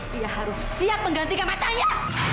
dia harus siap menggantikan matanya